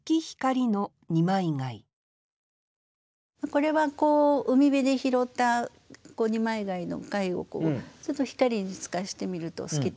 これは海辺で拾った二枚貝の貝をちょっと光に透かして見ると透けて見えたという。